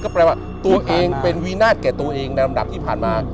แปลว่าตัวเองเป็นวินาศแก่ตัวเองในลำดับที่ผ่านมา